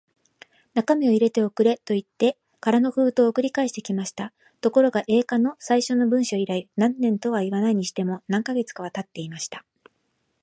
中身を入れて送れ、といって空の封筒を送り返してきました。ところが、Ａ 課の最初の文書以来、何年とはいわないにしても、何カ月かはたっていました。